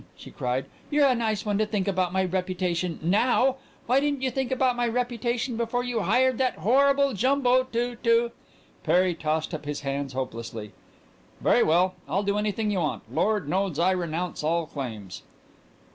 she cried. "You're a nice one to think about my reputation now. Why didn't you think about my reputation before you hired that horrible Jumbo to to " Perry tossed up his hands hopelessly. "Very well. I'll do anything you want. Lord knows I renounce all claims!"